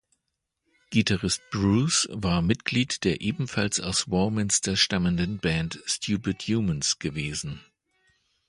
Gitarrist Bruce war Mitglied der ebenfalls aus Warminster stammenden Band Stupid Humans gewesen.